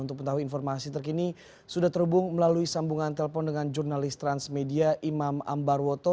untuk mengetahui informasi terkini sudah terhubung melalui sambungan telpon dengan jurnalis transmedia imam ambarwoto